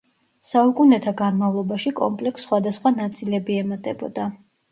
საუკუნეთა განმავლობაში, კომპლექსს სხვადასხვა ნაწილები ემატებოდა.